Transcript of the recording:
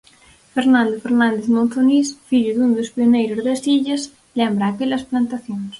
Fernando Fernández Monzonís, fillo dun dos pioneiros das illas lembra aquelas plantacións.